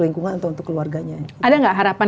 lingkungan untuk keluarganya ada gak harapan